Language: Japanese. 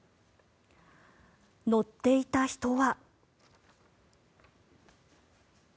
乗っていた人は。